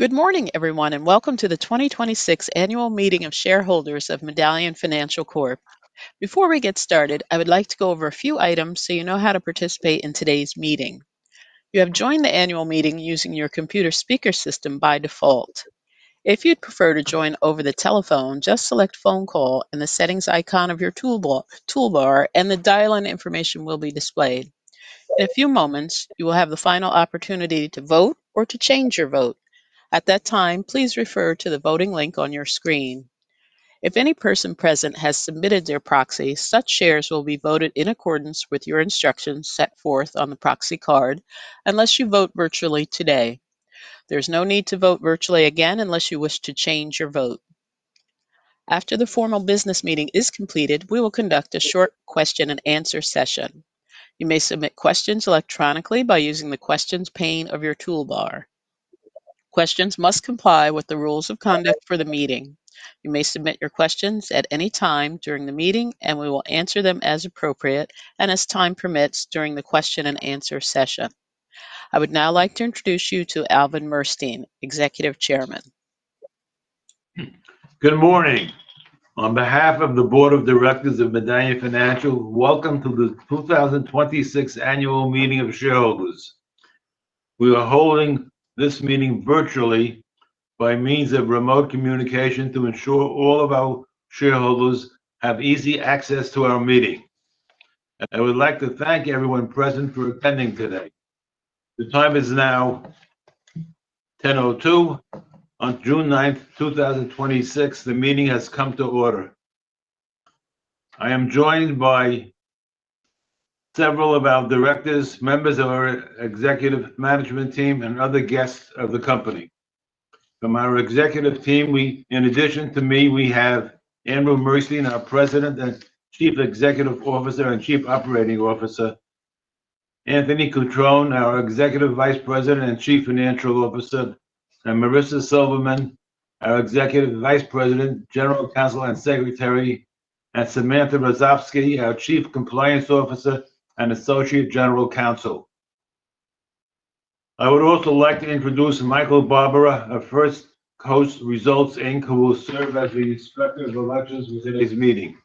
Good morning, everyone, welcome to the 2026 annual meeting of shareholders of Medallion Financial Corp. Before we get started, I would like to go over a few items so you know how to participate in today's meeting. You have joined the annual meeting using your computer speaker system by default. If you'd prefer to join over the telephone, just select phone call in the settings icon of your toolbar, and the dial-in information will be displayed. In a few moments, you will have the final opportunity to vote or to change your vote. At that time, please refer to the voting link on your screen. If any person present has submitted their proxy, such shares will be voted in accordance with your instructions set forth on the proxy card, unless you vote virtually today. There's no need to vote virtually again unless you wish to change your vote. After the formal business meeting is completed, we will conduct a short question-and-answer session. You may submit questions electronically by using the questions pane of your toolbar. Questions must comply with the rules of conduct for the meeting. You may submit your questions at any time during the meeting, we will answer them as appropriate and as time permits during the question-and-answer session. I would now like to introduce you to Alvin Murstein, Executive Chairman. Good morning. On behalf of the board of directors of Medallion Financial, welcome to the 2026 annual meeting of shareholders. We are holding this meeting virtually by means of remote communication to ensure all of our shareholders have easy access to our meeting. I would like to thank everyone present for attending today. The time is now 10:02 A.M. on June 9th, 2026. The meeting has come to order. I am joined by several of our directors, members of our executive management team, and other guests of the company. From our executive team, in addition to me, we have Andrew Murstein, our President and Chief Executive Officer and Chief Operating Officer, Anthony Cutrone, our Executive Vice President and Chief Financial Officer, and Marisa Silverman, our Executive Vice President, General Counsel and Secretary, and Samantha Rozovsky, our Chief Compliance Officer and Associate General Counsel. I would also like to introduce Michael Barbara of First Coast Results, Inc., who will serve as the Inspector of Elections in today's meeting.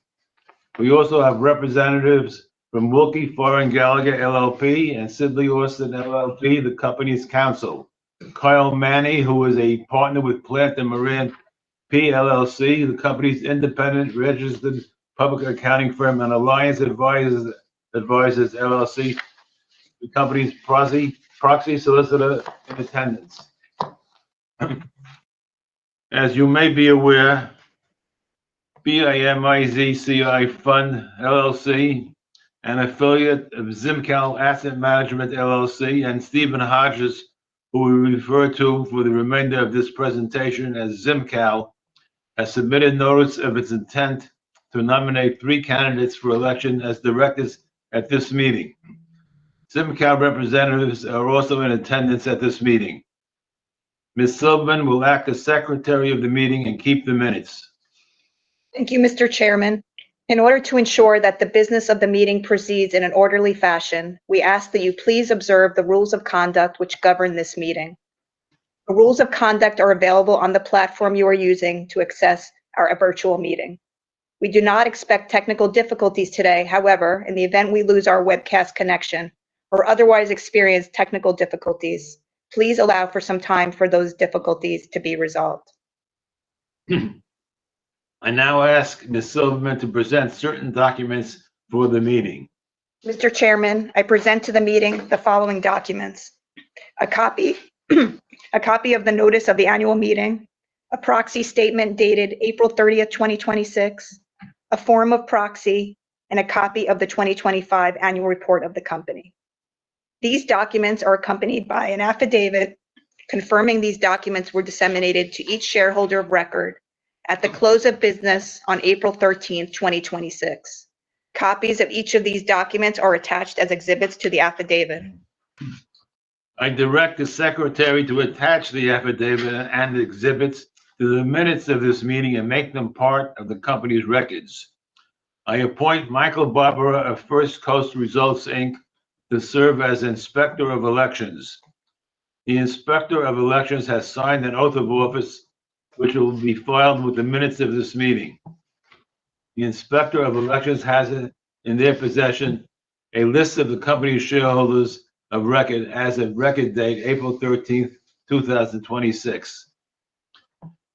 We also have representatives from Willkie Farr & Gallagher LLP, and Sidley Austin LLP, the company's counsel. Kyle Manny, who is a partner with Plante & Moran, PLLC, the company's independent registered public accounting firm, and Alliance Advisors, LLC, the company's proxy solicitor, in attendance. As you may be aware, BIMIZCI Fund LLC, an affiliate of ZimCal Asset Management, LLC, and Stephen Hodges, who we refer to for the remainder of this presentation as ZimCal, has submitted notice of its intent to nominate three candidates for election as directors at this meeting. ZimCal representatives are also in attendance at this meeting. Ms. Silverman will act as Secretary of the Meeting and keep the minutes. Thank you, Mr. Chairman. In order to ensure that the business of the meeting proceeds in an orderly fashion, we ask that you please observe the rules of conduct which govern this meeting. The rules of conduct are available on the platform you are using to access our virtual meeting. We do not expect technical difficulties today. However, in the event we lose our webcast connection or otherwise experience technical difficulties, please allow for some time for those difficulties to be resolved. I now ask Ms. Silverman to present certain documents for the meeting. Mr. Chairman, I present to the meeting the following documents: a copy of the notice of the annual meeting, a proxy statement dated April 30th, 2026, a form of proxy, and a copy of the 2025 annual report of the company. These documents are accompanied by an affidavit confirming these documents were disseminated to each shareholder of record at the close of business on April 13th, 2026. Copies of each of these documents are attached as exhibits to the affidavit. I direct the secretary to attach the affidavit and exhibits to the minutes of this meeting and make them part of the company's records. I appoint Michael Barbara of First Coast Results, Inc. to serve as inspector of elections. The inspector of elections has signed an oath of office, which will be filed with the minutes of this meeting. The inspector of elections has in their possession a list of the company's shareholders of record as of record date April 13th, 2026.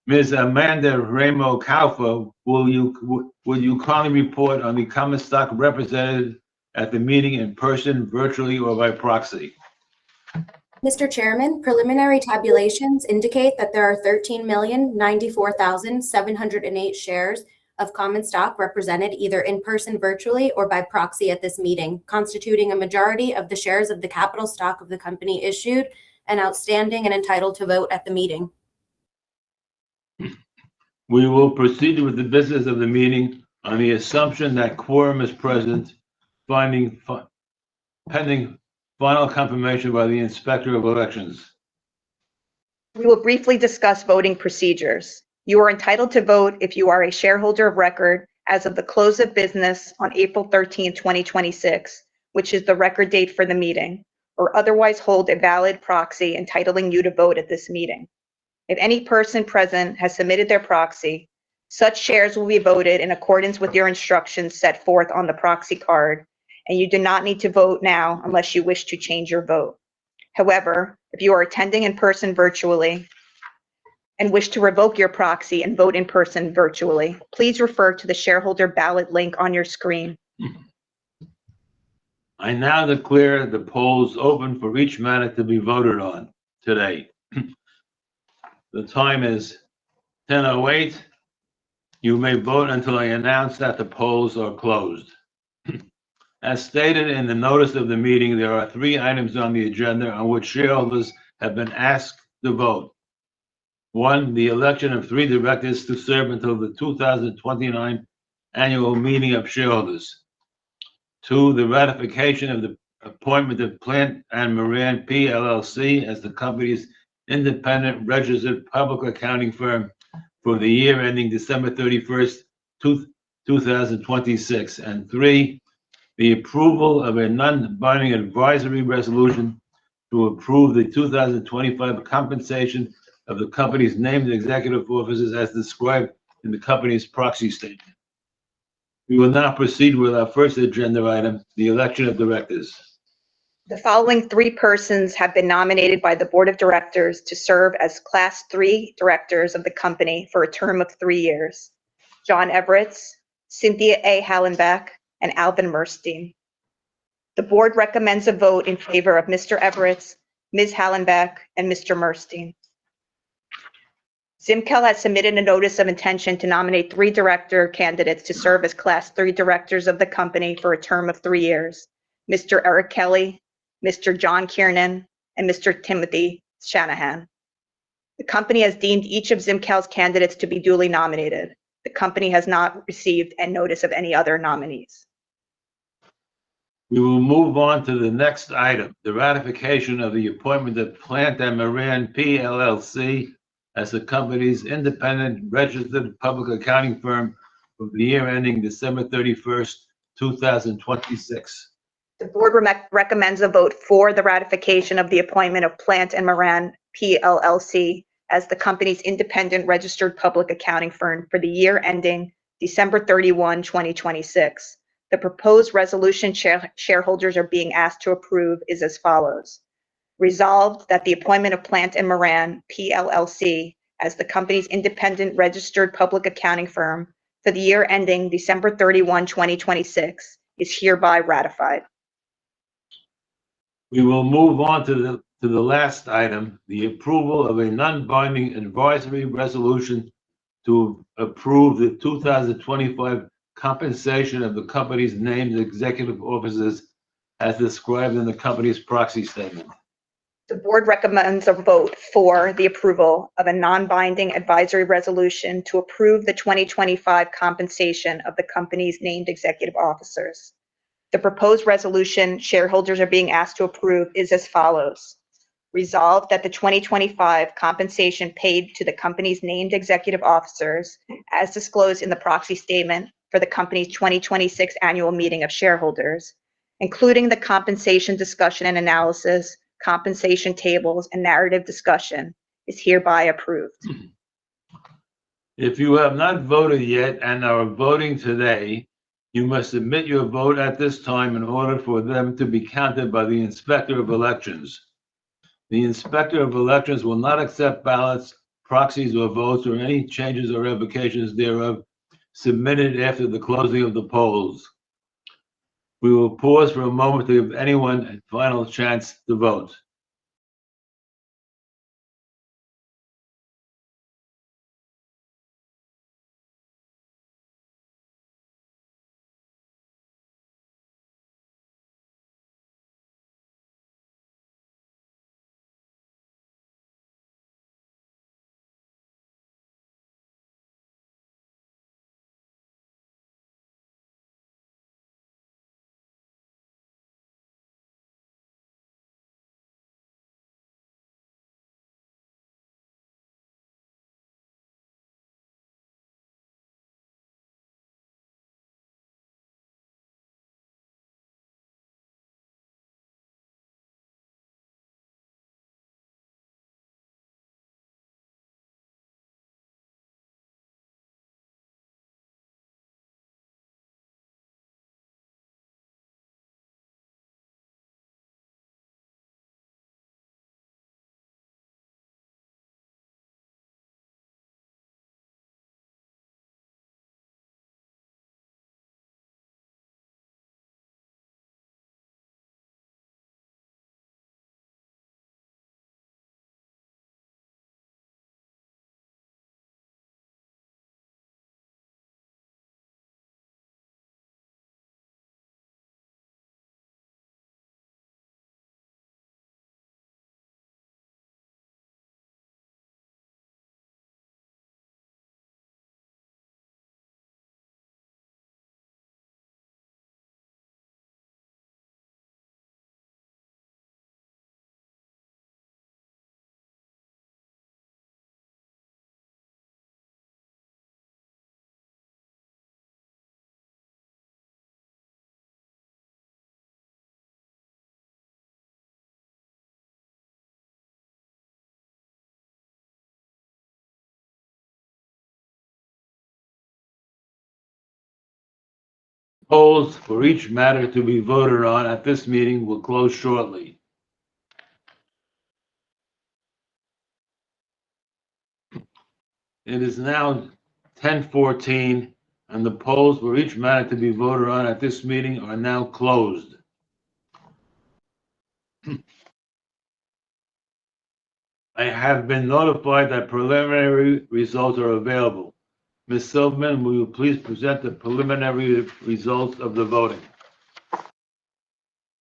Ms. [Amanda Ramo Caufo], will you kindly report on the common stock represented at the meeting in person, virtually, or by proxy? Mr. Chairman, preliminary tabulations indicate that there are 13,094,708 shares of common stock represented either in person, virtually, or by proxy at this meeting, constituting a majority of the shares of the capital stock of the company issued and outstanding and entitled to vote at the meeting. We will proceed with the business of the meeting on the assumption that quorum is present, pending final confirmation by the inspector of elections. We will briefly discuss voting procedures. You are entitled to vote if you are a shareholder of record as of the close of business on April 13th, 2026, which is the record date for the meeting, or otherwise hold a valid proxy entitling you to vote at this meeting. If any person present has submitted their proxy, such shares will be voted in accordance with your instructions set forth on the proxy card. You do not need to vote now unless you wish to change your vote. If you are attending in person virtually and wish to revoke your proxy and vote in person virtually, please refer to the shareholder ballot link on your screen. I now declare the polls open for each matter to be voted on today. The time is 10:08 A.M. You may vote until I announce that the polls are closed. As stated in the notice of the meeting, there are three items on the agenda on which shareholders have been asked to vote. One, the election of three directors to serve until the 2029 Annual Meeting of Shareholders. Two, the ratification of the appointment of Plante & Moran, PLLC as the company's independent registered public accounting firm for the year ending December 31st, 2026. Three, the approval of a non-binding advisory resolution to approve the 2025 compensation of the company's named executive officers as described in the company's proxy statement. We will now proceed with our first agenda item, the election of directors. The following three persons have been nominated by the board of directors to serve as Class III directors of the company for a term of three years: John Everets, Cynthia A. Hallenbeck, and Alvin Murstein. The board recommends a vote in favor of Mr. Everets, Ms. Hallenbeck, and Mr. Murstein. ZimCal has submitted a notice of intention to nominate three director candidates to serve as Class III directors of the company for a term of three years: Mr. Eric Kelly, Mr. John Kiernan, and Mr. Timothy Shanahan. The company has deemed each of ZimCal's candidates to be duly nominated. The company has not received a notice of any other nominees. We will move on to the next item, the ratification of the appointment of Plante & Moran, PLLC as the company's independent registered public accounting firm for the year ending December 31st, 2026. The board recommends a vote for the ratification of the appointment of Plante & Moran, PLLC as the company's independent registered public accounting firm for the year ending December 31, 2026. The proposed resolution shareholders are being asked to approve is as follows: resolved that the appointment of Plante & Moran, PLLC as the company's independent registered public accounting firm for the year ending December 31, 2026, is hereby ratified. We will move on to the last item, the approval of a non-binding advisory resolution to approve the 2025 compensation of the company's named executive officers as described in the company's proxy statement. The board recommends a vote for the approval of a non-binding advisory resolution to approve the 2025 compensation of the company's named executive officers. The proposed resolution shareholders are being asked to approve is as follows: resolved that the 2025 compensation paid to the company's named executive officers, as disclosed in the proxy statement for the company's 2026 Annual Meeting of Shareholders, including the compensation discussion and analysis, compensation tables, and narrative discussion, is hereby approved. If you have not voted yet and are voting today, you must submit your vote at this time in order for them to be counted by the Inspector of Elections. The Inspector of Elections will not accept ballots, proxies or votes, or any changes or revocations thereof, submitted after the closing of the polls. We will pause for a moment to give anyone a final chance to vote. Polls for each matter to be voted on at this meeting will close shortly. It is now 10:14 A.M. The polls for each matter to be voted on at this meeting are now closed. I have been notified that preliminary results are available. Ms. Silverman, will you please present the preliminary results of the voting?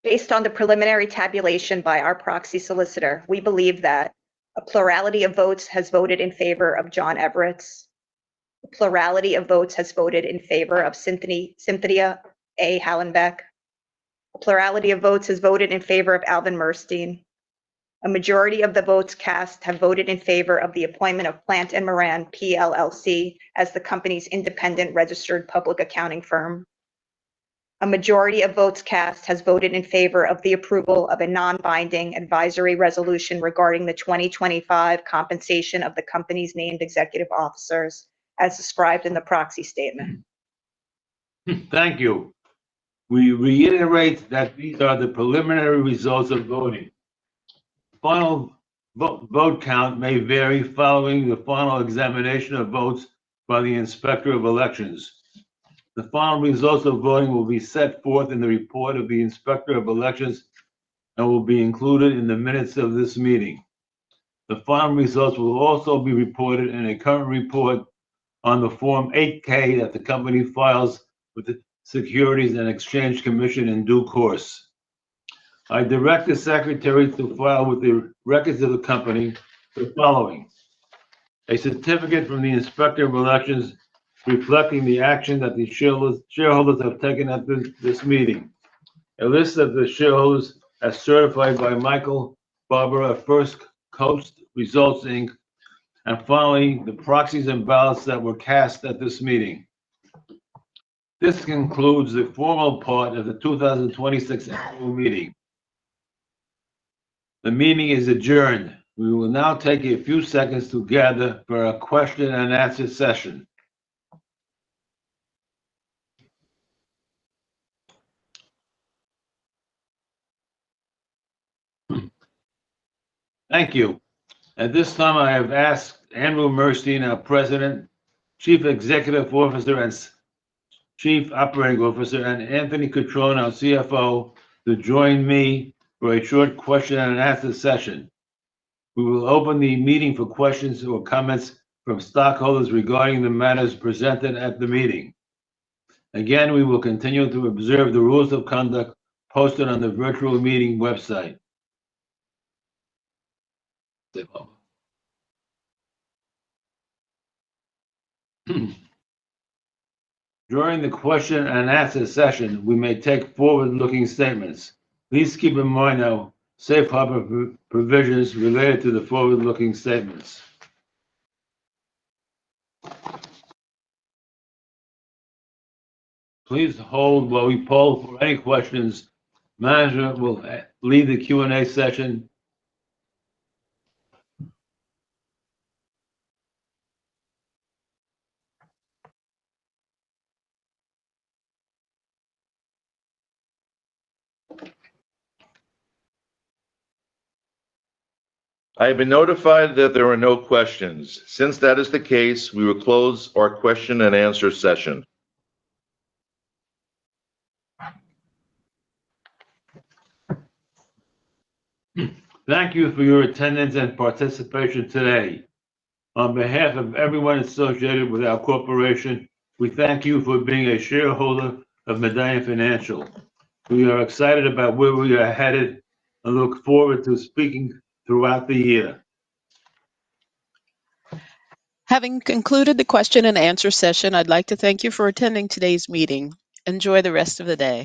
Based on the preliminary tabulation by our proxy solicitor, we believe that a plurality of votes has voted in favor of John Everets. A plurality of votes has voted in favor of Cynthia A. Hallenbeck. A plurality of votes has voted in favor of Alvin Murstein. A majority of the votes cast have voted in favor of the appointment of Plante Moran, PLLC as the company's independent registered public accounting firm. A majority of votes cast has voted in favor of the approval of a non-binding advisory resolution regarding the 2025 compensation of the company's named executive officers as described in the proxy statement. Thank you. We reiterate that these are the preliminary results of voting. Final vote count may vary following the final examination of votes by the Inspector of Elections. The final results of voting will be set forth in the report of the Inspector of Elections and will be included in the minutes of this meeting. The final results will also be reported in a current report on the Form 8-K that the company files with the Securities and Exchange Commission in due course. I direct the secretary to file with the records of the company the following: a certificate from the Inspector of Elections reflecting the action that the shareholders have taken at this meeting, a list of the shareholders as certified by Michael Barbara of First Coast Results, Inc., and finally, the proxies and ballots that were cast at this meeting. This concludes the formal part of the 2026 annual meeting. The meeting is adjourned. We will now take a few seconds to gather for a question-and-answer session. Thank you. At this time, I have asked Andrew Murstein, our President, Chief Executive Officer, and Chief Operating Officer, and Anthony Cutrone, our CFO, to join me for a short question-and-answer session. We will open the meeting for questions or comments from stockholders regarding the matters presented at the meeting. Again, we will continue to observe the rules of conduct posted on the virtual meeting website. Safe harbor. During the question-and-answer session, we may take forward-looking statements. Please keep in mind our safe harbor provisions related to the forward-looking statements. Please hold while we poll for any questions. Management will lead the Q&A session. I have been notified that there are no questions. That is the case, we will close our question-and-answer session. Thank you for your attendance and participation today. On behalf of everyone associated with our corporation, we thank you for being a shareholder of Medallion Financial. We are excited about where we are headed and look forward to speaking throughout the year. Having concluded the question-and-answer session, I'd like to thank you for attending today's meeting. Enjoy the rest of the day.